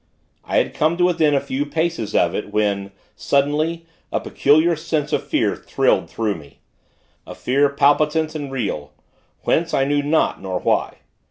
I had come to within a few paces of it, when, suddenly, a peculiar sense of fear thrilled through me a fear, palpitant and real; whence, I knew not, nor why.